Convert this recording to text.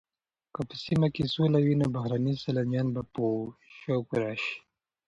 که په سیمه کې سوله وي نو بهرني سېلانیان به په شوق راشي.